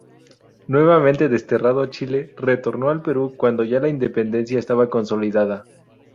Nuevamente desterrado a Chile, retornó al Perú cuando ya la independencia estaba consolidada.